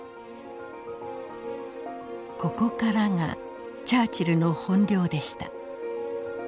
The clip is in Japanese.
ここからがチャーチルの本領でした。